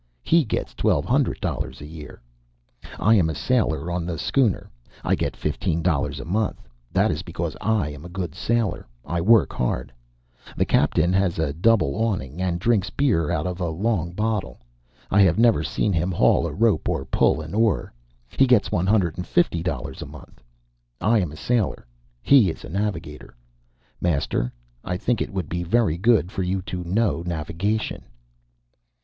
He gets twelve hundred dollars a year. I am a sailor on the schooner. I get fifteen dollars a month. That is because I am a good sailor. I work hard. The captain has a double awning, and drinks beer out of long bottles. I have never seen him haul a rope or pull an oar. He gets one hundred and fifty dollars a month. I am a sailor. He is a navigator. Master, I think it would be very good for you to know navigation."